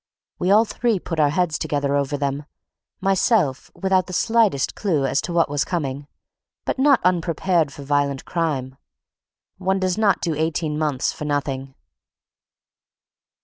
We all three put our heads together over them, myself without the slightest clew as to what was coming, but not unprepared for violent crime. One does not do eighteen months for nothing.